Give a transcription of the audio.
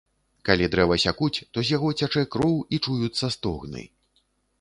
Калі дрэва сякуць, то з яго цячэ кроў і чуюцца стогны.